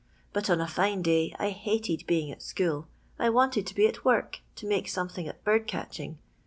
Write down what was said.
But on a fine day I hated being at school. I wanted to be at work, to make some thing at bird catching.